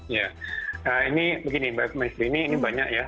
ya ini begini mbak mestri ini banyak ya